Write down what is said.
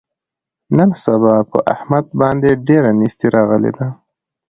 نن سبا په احمد باندې ډېره نیستي راغلې ده.